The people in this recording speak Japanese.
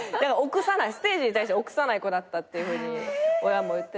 ステージに対して臆さない子だったっていうふうに親も言ってて。